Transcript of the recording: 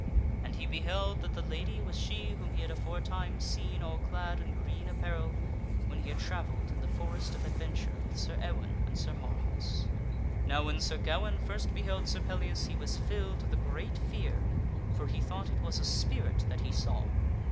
And he beheld that the lady was she whom he had aforetime seen all clad in green apparel when he had travelled in the Forest of Adventure with Sir Ewaine and Sir Marhaus. Now when Sir Gawaine first beheld Sir Pellias he was filled with a great fear, for he thought it was a spirit that he saw.